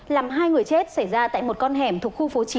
làm hai người chết xảy ra tại một con hẻm thuộc khu phố chín